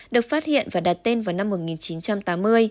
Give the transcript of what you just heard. được phát hiện và đặt tên vào năm một nghìn chín trăm tám mươi